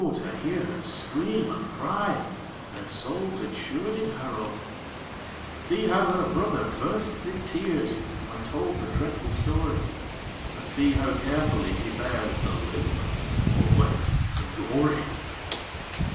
to hear her scream and cry Their souls it sure did harrow. See how her brother bursts in tears, When told the dreadful story; And see how carefully he bears The limb all wet and gory.